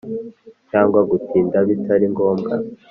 cyangwa gutinda bitari ngombwa